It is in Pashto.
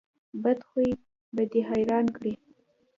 بد خوی به دې حیران کړي.